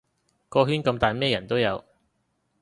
個圈咁大咩人都有